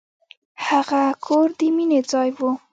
هغه کور د مینې ځای و.